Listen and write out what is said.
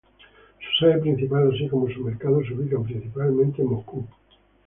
Su sede principal, así como su mercado, se ubican principalmente en Moscú.